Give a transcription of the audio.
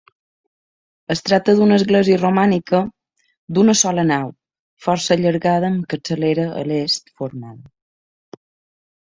Es tracta d’una església romànica d’una sola nau, força allargada amb capçalera a l'est formada.